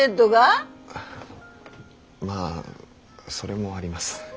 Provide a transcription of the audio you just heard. まあそれもあります。